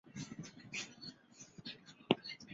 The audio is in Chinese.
母权氏。